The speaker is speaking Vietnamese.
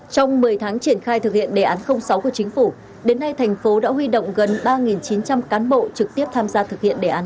trong một mươi tháng triển khai thực hiện đề án sáu của chính phủ đến nay thành phố đã huy động gần ba chín trăm linh cán bộ trực tiếp tham gia thực hiện đề án sáu